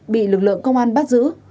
bị lực lượng công an bắt giữ